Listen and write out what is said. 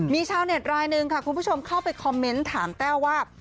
มีชาวเน็ตรายหนึ่งค่ะคุณผู้ชมเข้าไปคอมเมนต์ถามแต้วว่า